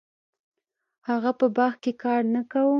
هغه په باغ کې کار نه کاوه.